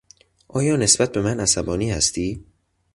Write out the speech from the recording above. آیا نسبت به من عصبانی هستی؟